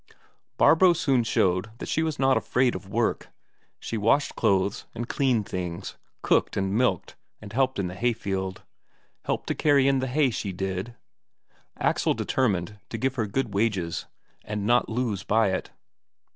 Barbro soon showed she was not afraid of work; she washed clothes and cleaned things, cooked and milked and helped in the hayfield helped to carry in the hay, she did. Axel determined to give her good wages, and not lose by it.